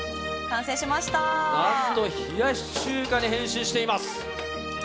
何と冷やし中華に変身しています。